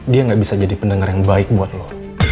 dia gak bisa jadi pendengar yang baik buat lo